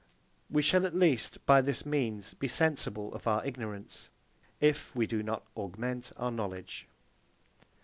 We shall at least, by this means, be sensible of our ignorance, if we do not augment our knowledge.